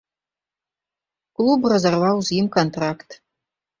Клуб разарваў з ім кантракт.